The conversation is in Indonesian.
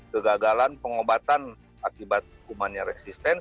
kegagalan pengobatan akibat umannya resistensi